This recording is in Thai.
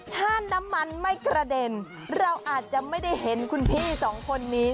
ถ้าน้ำมันไม่กระเด็นเราอาจจะไม่ได้เห็นคุณพี่สองคนนี้